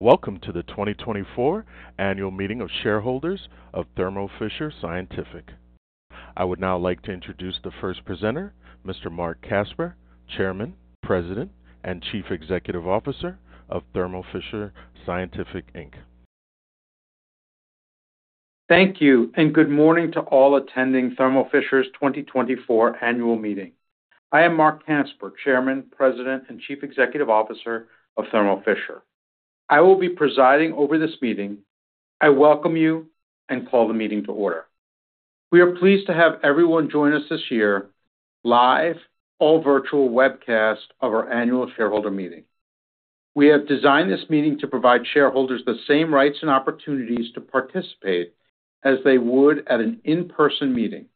...Welcome to the 2024 Annual Meeting of Shareholders of Thermo Fisher Scientific. I would now like to introduce the first presenter, Mr. Marc Casper, Chairman, President, and Chief Executive Officer of Thermo Fisher Scientific Inc. Thank you, and good morning to all attending Thermo Fisher's 2024 annual meeting. I am Marc Casper, Chairman, President, and Chief Executive Officer of Thermo Fisher. I will be presiding over this meeting. I welcome you and call the meeting to order. We are pleased to have everyone join us this year live all virtual webcast of our annual shareholder meeting. We have designed this meeting to provide shareholders the same rights and opportunities to participate as they would at an in-person meeting.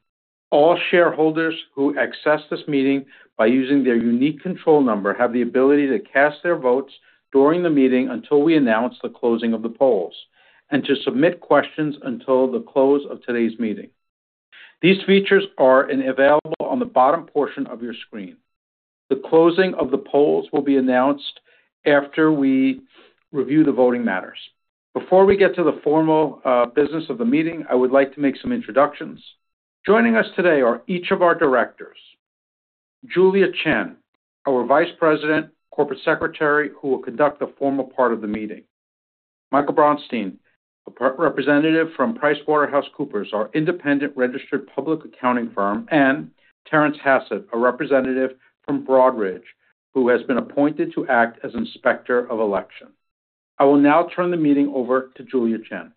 All shareholders who access this meeting by using their unique control number have the ability to cast their votes during the meeting until we announce the closing of the polls, and to submit questions until the close of today's meeting. These features are available on the bottom portion of your screen. The closing of the polls will be announced after we review the voting matters. Before we get to the formal business of the meeting, I would like to make some introductions. Joining us today are each of our directors, Julia Chen, our Vice President, Corporate Secretary, who will conduct the formal part of the meeting. Michael Bronstein, a representative from PricewaterhouseCoopers, our independent registered public accounting firm, and Terence Hassett, a representative from Broadridge, who has been appointed to act as Inspector of Election. I will now turn the meeting over to Julia Chen.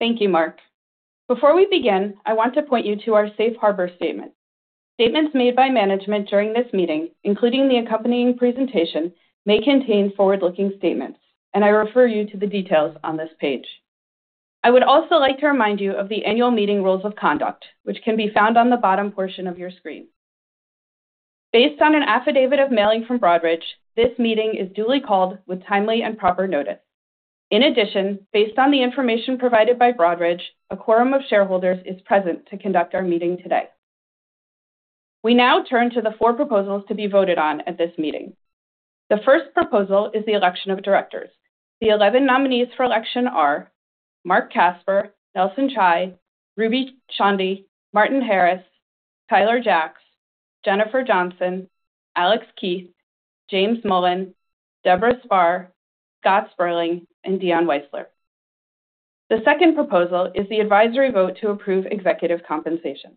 Thank you, Marc. Before we begin, I want to point you to our Safe Harbor Statement. Statements made by management during this meeting, including the accompanying presentation, may contain forward-looking statements, and I refer you to the details on this page. I would also like to remind you of the annual meeting rules of conduct, which can be found on the bottom portion of your screen. Based on an affidavit of mailing from Broadridge, this meeting is duly called with timely and proper notice. In addition, based on the information provided by Broadridge, a quorum of shareholders is present to conduct our meeting today. We now turn to the four proposals to be voted on at this meeting. The first proposal is the election of directors. The 11 nominees for election are Marc Casper, Nelson Chai, Ruby Chandy, C. Martin Harris, Tyler Jacks, Jennifer M. Johnson, Alex Keith, James C. Mullen, Deborah L. Spar, Scott M. Sperling, and Dion J. Weisler. The second proposal is the advisory vote to approve executive compensation.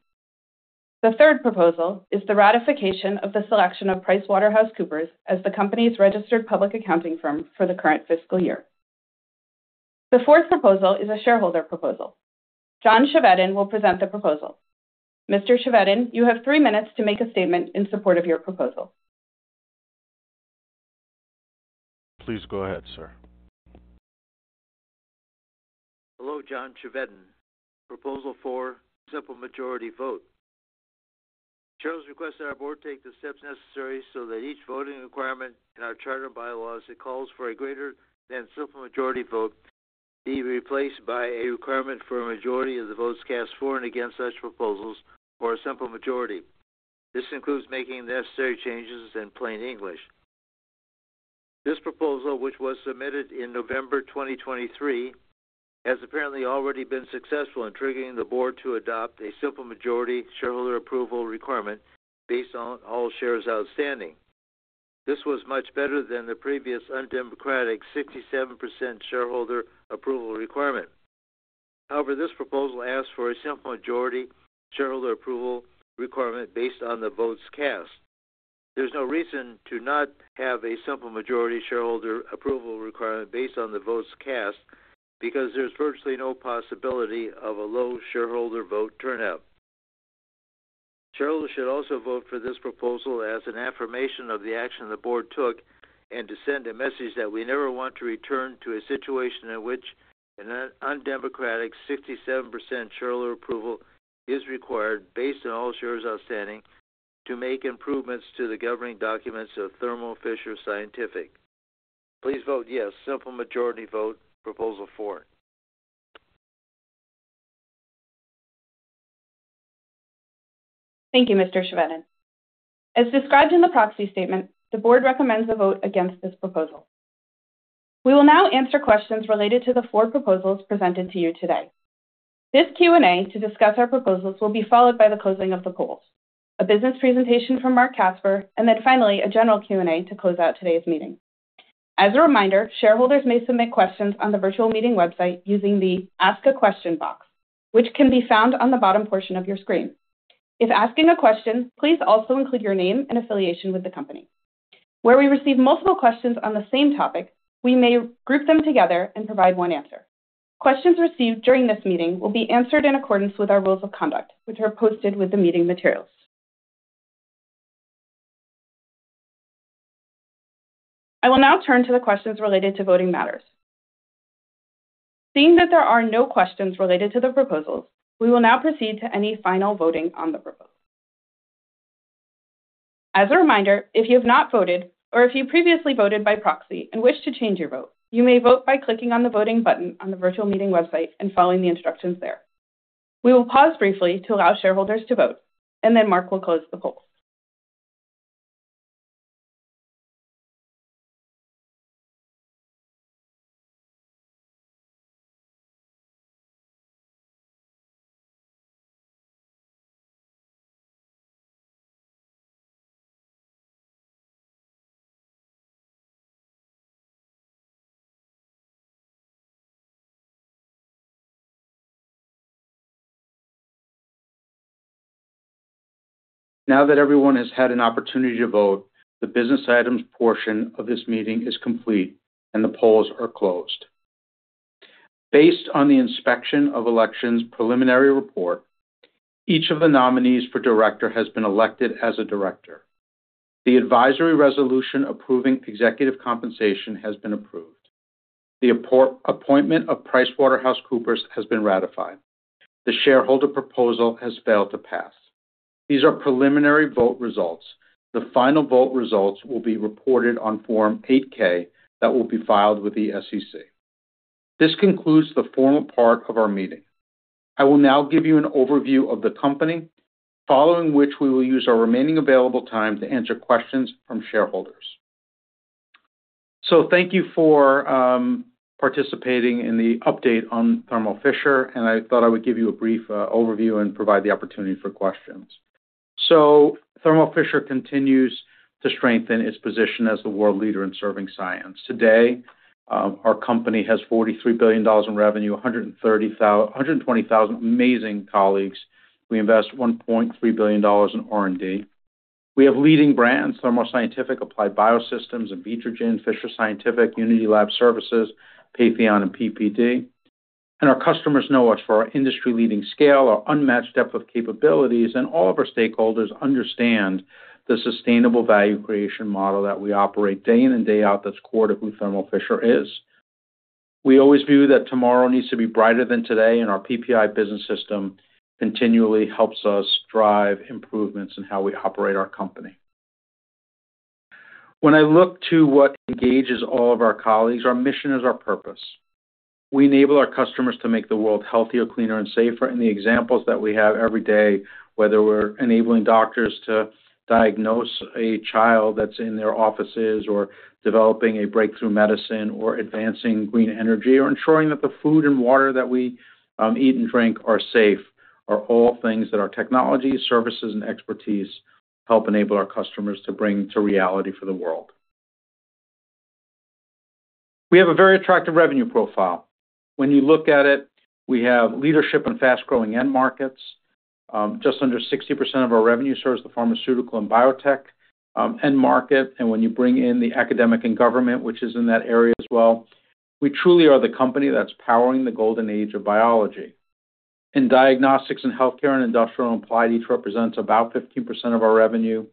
The third proposal is the ratification of the selection of PricewaterhouseCoopers as the company's registered public accounting firm for the current fiscal year. The fourth proposal is a shareholder proposal. John Chevedden will present the proposal. Mr. Chevedden, you have three minutes to make a statement in support of your proposal. Please go ahead, sir. Hello, John Chevedden, proposal for simple majority vote. Shareholders request that our board take the steps necessary so that each voting requirement in our charter bylaws that calls for a greater than simple majority vote be replaced by a requirement for a majority of the votes cast for and against such proposals for a simple majority. This includes making the necessary changes in plain English. This proposal, which was submitted in November 2023, has apparently already been successful in triggering the board to adopt a simple majority shareholder approval requirement based on all shares outstanding. This was much better than the previous undemocratic 67% shareholder approval requirement. However, this proposal asks for a simple majority shareholder approval requirement based on the votes cast. There's no reason to not have a simple majority shareholder approval requirement based on the votes cast, because there's virtually no possibility of a low shareholder vote turnout. Shareholders should also vote for this proposal as an affirmation of the action the board took, and to send a message that we never want to return to a situation in which an un-undemocratic 67% shareholder approval is required, based on all shares outstanding, to make improvements to the governing documents of Thermo Fisher Scientific. Please vote yes. Simple majority vote, proposal four. Thank you, Mr. Chevedden. As described in the proxy statement, the board recommends a vote against this proposal. We will now answer questions related to the four proposals presented to you today. This Q&A to discuss our proposals will be followed by the closing of the polls, a business presentation from Marc Casper, and then finally, a general Q&A to close out today's meeting. As a reminder, shareholders may submit questions on the virtual meeting website using the Ask a Question box, which can be found on the bottom portion of your screen. If asking a question, please also include your name and affiliation with the company. Where we receive multiple questions on the same topic, we may group them together and provide one answer. Questions received during this meeting will be answered in accordance with our rules of conduct, which are posted with the meeting materials. I will now turn to the questions related to voting matters. Seeing that there are no questions related to the proposals, we will now proceed to any final voting on the proposal. As a reminder, if you have not voted or if you previously voted by proxy and wish to change your vote, you may vote by clicking on the voting button on the Virtual Meeting website and following the instructions there. We will pause briefly to allow shareholders to vote, and then Mark will close the polls.... Now that everyone has had an opportunity to vote, the business items portion of this meeting is complete, and the polls are closed. Based on the Inspector of Election's preliminary report, each of the nominees for director has been elected as a director. The advisory resolution approving executive compensation has been approved. The appointment of PricewaterhouseCoopers has been ratified. The shareholder proposal has failed to pass. These are preliminary vote results. The final vote results will be reported on Form 8-K that will be filed with the SEC. This concludes the formal part of our meeting. I will now give you an overview of the company, following which we will use our remaining available time to answer questions from shareholders. So thank you for participating in the update on Thermo Fisher, and I thought I would give you a brief overview and provide the opportunity for questions. So Thermo Fisher continues to strengthen its position as the world leader in serving science. Today, our company has $43 billion in revenue, 120,000 amazing colleagues. We invest $1.3 billion in R&D. We have leading brands, Thermo Scientific, Applied Biosystems, and Invitrogen, Fisher Scientific, Unity Lab Services, Patheon, and PPD. And our customers know us for our industry-leading scale, our unmatched depth of capabilities, and all of our stakeholders understand the sustainable value creation model that we operate day in and day out that's core to who Thermo Fisher is. We always view that tomorrow needs to be brighter than today, and our PPI Business System continually helps us drive improvements in how we operate our company. When I look to what engages all of our colleagues, our mission is our purpose. We enable our customers to make the world healthier, cleaner, and safer. And the examples that we have every day, whether we're enabling doctors to diagnose a child that's in their offices or developing a breakthrough medicine, or advancing green energy, or ensuring that the food and water that we eat and drink are safe, are all things that our technology, services, and expertise help enable our customers to bring to reality for the world. We have a very attractive revenue profile. When you look at it, we have leadership and fast-growing end markets. Just under 60% of our revenue serves the pharmaceutical and biotech end market. When you bring in the academic and government, which is in that area as well, we truly are the company that's powering the golden age of biology. In diagnostics and healthcare and industrial and applied, each represents about 15% of our revenue,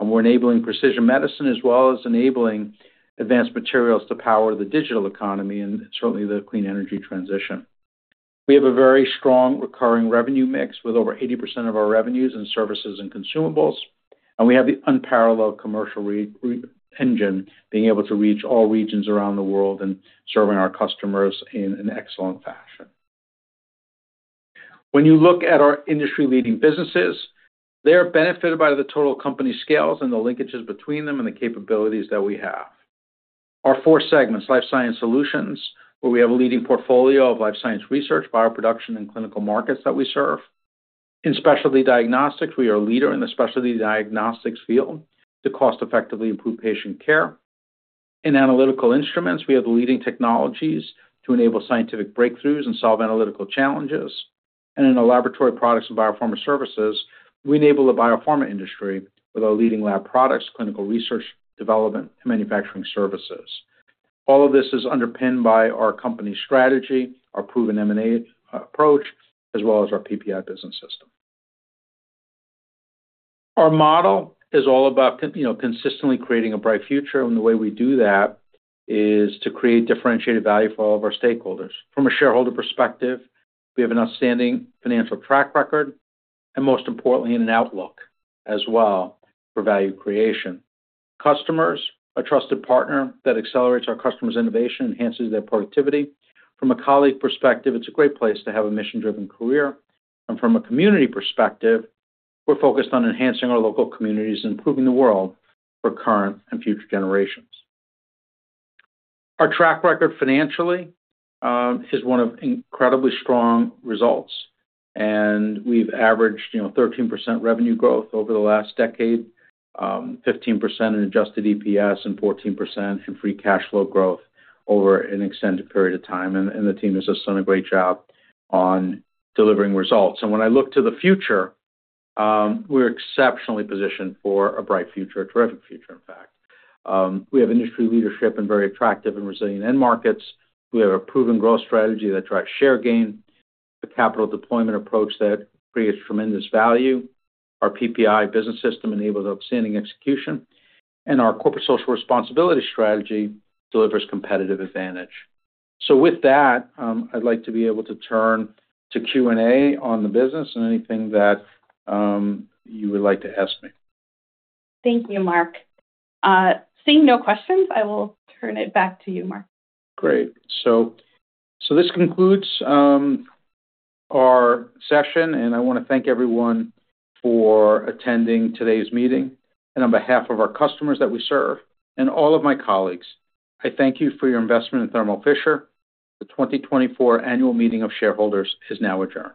and we're enabling precision medicine, as well as enabling advanced materials to power the digital economy and certainly the clean energy transition. We have a very strong recurring revenue mix with over 80% of our revenues in services and consumables, and we have the unparalleled commercial engine being able to reach all regions around the world and serving our customers in an excellent fashion. When you look at our industry-leading businesses, they are benefited by the total company scales and the linkages between them and the capabilities that we have. Our four segments, Life Science Solutions, where we have a leading portfolio of life science research, bioproduction, and clinical markets that we serve. In Specialty Diagnostics, we are a leader in the specialty diagnostics field to cost-effectively improve patient care. In Analytical Instruments, we have the leading technologies to enable scientific breakthroughs and solve analytical challenges. And in the Laboratory Products and Biopharma Services, we enable the biopharma industry with our leading lab products, clinical research, development, and manufacturing services. All of this is underpinned by our company's strategy, our proven M&A approach, as well as our PPI Business System. Our model is all about, you know, consistently creating a bright future, and the way we do that is to create differentiated value for all of our stakeholders. From a shareholder perspective, we have an outstanding financial track record and most importantly, in an outlook as well for value creation. Customers, a trusted partner that accelerates our customers' innovation, enhances their productivity. From a colleague perspective, it's a great place to have a mission-driven career. From a community perspective, we're focused on enhancing our local communities and improving the world for current and future generations. Our track record financially is one of incredibly strong results, and we've averaged, you know, 13% revenue growth over the last decade, 15% in adjusted EPS and 14% in free cash flow growth over an extended period of time, and the team has just done a great job on delivering results. When I look to the future, we're exceptionally positioned for a bright future, a terrific future, in fact. We have industry leadership and very attractive and resilient end markets. We have a proven growth strategy that drives share gain, a capital deployment approach that creates tremendous value. Our PPI Business System enables outstanding execution, and our corporate social responsibility strategy delivers competitive advantage. So with that, I'd like to be able to turn to Q&A on the business and anything that you would like to ask me. Thank you, Marc. Seeing no questions, I will turn it back to you, Marc. Great. So this concludes our session, and I want to thank everyone for attending today's meeting. On behalf of our customers that we serve and all of my colleagues, I thank you for your investment in Thermo Fisher. The 2024 Annual Meeting of Shareholders is now adjourned.